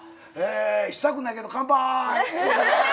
したくないけど乾杯。